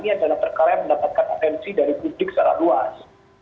ini adalah perkara yang mendapatkan atensi dari publik secara luas